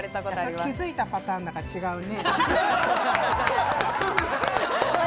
気づいたパターンだから違うね。